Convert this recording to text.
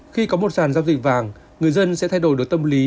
khi có một sàn giao dịch vàng người dân sẽ thay đổi được tâm lý